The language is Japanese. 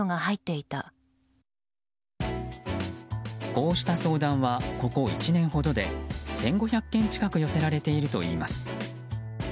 こうした相談はここ１年ほどで１５００件近く寄せられているといいます。